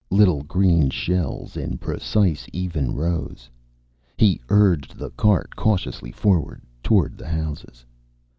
Little green shells in precise, even rows. He urged the cart cautiously forward, toward the houses.